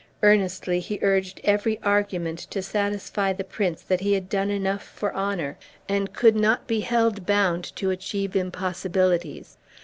Earnestly he urged every argument to satisfy the prince that he had done enough for honor, and could not be held bound to achieve impossibilities.